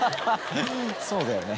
そうだよね。